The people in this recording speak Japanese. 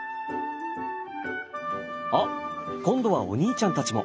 あ今度はお兄ちゃんたちも。